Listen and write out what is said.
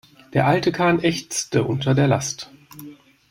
Der alte Kahn ächzte unter der Last.